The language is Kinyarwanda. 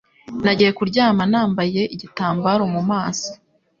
Nagiye kuryama nambaye igitambaro mu maso.